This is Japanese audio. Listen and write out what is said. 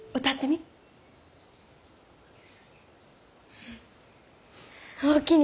うんおおきに。